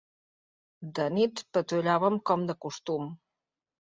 De nits patrullàvem com de costum